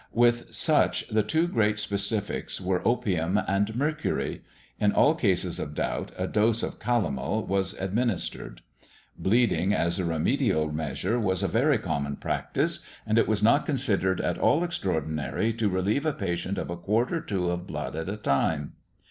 With such the two great specifics were opium and mercury—in all cases of doubt a dose of calomel was administered. Bleeding, as a remedial measure, was a very common practice, and it was not considered at all extraordinary to relieve a patient of a quart or two of blood at a time.